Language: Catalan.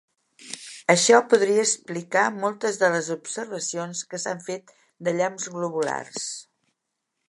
Això podria explicar moltes de les observacions que s’han fet de llamps globulars.